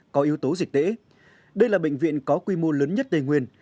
có yếu tố dịch tễ đây là bệnh viện có quy mô lớn nhất tây nguyên